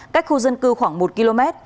cách khu dân cư khoảng một km